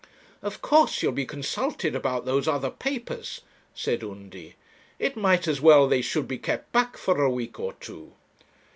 'Of course you'll be consulted about those other papers,' said Undy. 'It might be as well they should be kept back for a week or two.'